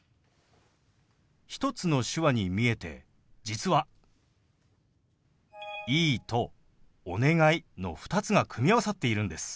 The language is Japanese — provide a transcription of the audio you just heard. １つの手話に見えて実は「いい」と「お願い」の２つが組み合わさっているんです。